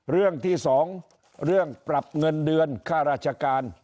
เรื่องที่สองเรื่องปรับเงินเดือนค่าราชการ